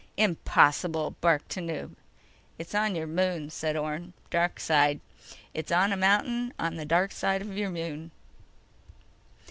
_ "Impossible!" barked Tanub. "It's on your moon," said Orne. "Darkside. It's on a mountain on the darkside of your moon."